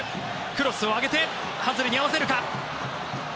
クロスを上げてハズリに合わせるか。